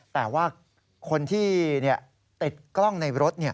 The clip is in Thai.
แต่ว่าคนที่ติดกล้องในรถ